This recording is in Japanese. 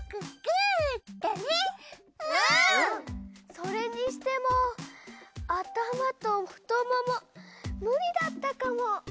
それにしてもあたまとふともも無理だったかも。